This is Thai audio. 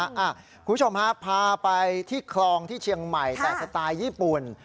คุณผู้ชมฮะพาไปที่คลองที่เชียงใหม่แต่สไตล์ญี่ปุ่น